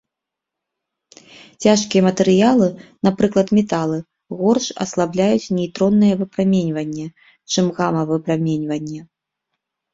Цяжкія матэрыялы, напрыклад металы, горш аслабляюць нейтроннае выпраменьванне, чым гама-выпраменьванне.